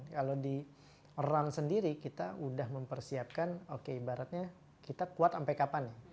kalau di run sendiri kita sudah mempersiapkan oke ibaratnya kita kuat sampai kapan nih